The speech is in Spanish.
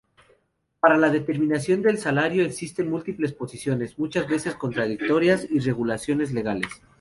Para la determinación del salario existen múltiples posiciones, muchas veces contradictorias y regulaciones legales.